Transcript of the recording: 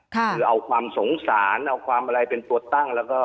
คือเอาความสงสารเอาความอะไรเป็นตัวตั้งแล้วก็